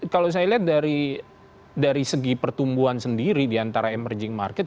kalau saya lihat dari segi pertumbuhan sendiri diantara emerging market